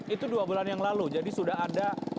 itu dua bulan yang lalu jadi sudah ada